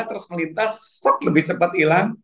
terus melintas stok lebih cepat hilang